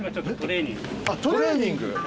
トレーニング⁉